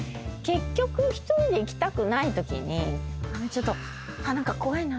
結局１人で行きたくないときに「ちょっと何か怖いな。